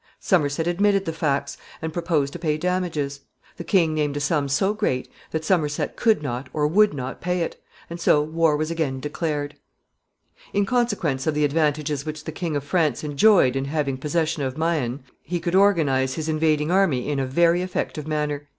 Somerset admitted the facts, and proposed to pay damages. The king named a sum so great that Somerset could not or would not pay it, and so war was again declared. [Illustration: Rouen.] [Sidenote: Invasion of Normandy.] In consequence of the advantages which the King of France enjoyed in having possession of Maine, he could organize his invading army in a very effective manner.